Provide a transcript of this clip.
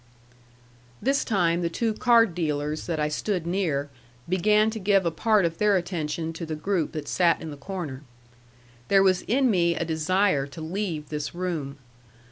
This time the two card dealers that I stood near began to give a part of their attention to the group that sat in the corner. There was in me a desire to leave this room.